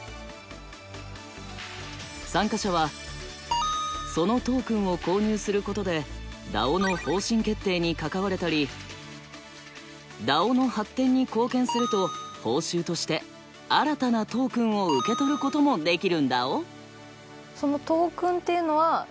参加者はそのトークンを購入することでＤＡＯの方針決定に関われたりＤＡＯの発展に貢献すると報酬として新たなトークンを受け取ることもできるんだぉ。